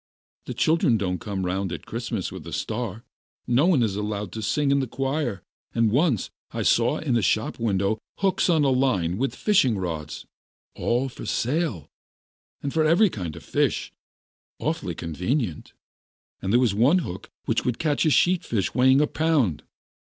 The children don't come round at Christmas with a star, no one is allowed to sing in the choir, and once I saw in a shop window hooks on a line and fishing rods, all for sale, and for every kind of fish, awfully convenient. And there was one hook which would catch a sheat fish weighing a pound.